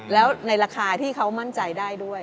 แล้วในราคาที่เขามั่นใจได้ด้วย